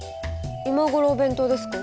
今頃お弁当ですか？